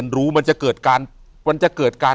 อยู่ที่แม่ศรีวิรัยิลครับ